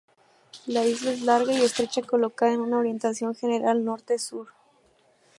La isla es larga y estrecha, colocada en una orientación general norte-sur.